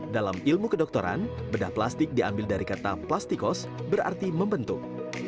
dalam ilmu kedokteran bedah plastik diambil dari kata plastikos berarti membentuk